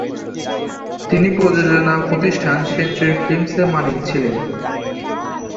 তিনি প্রযোজনা প্রতিষ্ঠান সেঞ্চুরি ফিল্মসের মালিক ছিলেন।